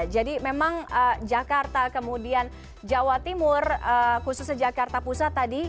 jadi memang jakarta kemudian jawa timur khususnya jakarta pusat tadi